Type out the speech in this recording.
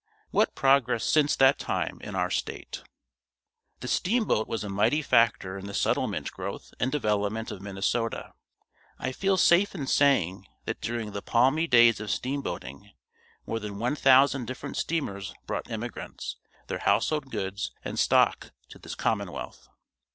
What progress since that time in our state! The steamboat was a mighty factor in the settlement growth and development of Minnesota. I feel safe in saying that during the palmy days of steamboating, more than one thousand different steamers brought emigrants, their household goods and stock to this commonwealth.